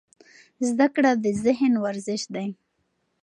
زده کړه د ذهن ورزش دی.